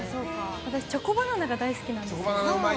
私、チョコバナナが大好きなんですよ。